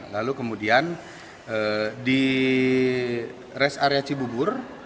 lalu kemudian di res area cibubur